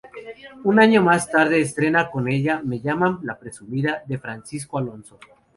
Un año más tarde estrena con ella Me llaman la presumida, de Francisco Alonso.